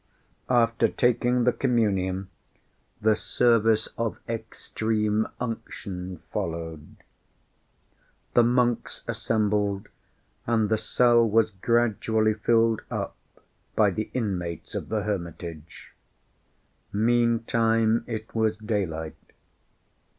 After taking the communion, the service of extreme unction followed. The monks assembled and the cell was gradually filled up by the inmates of the hermitage. Meantime it was daylight.